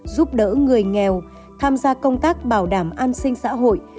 giúp đỡ người nghèo tham gia công tác bảo đảm an sinh xã hội